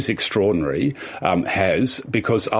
yang sangat luar biasa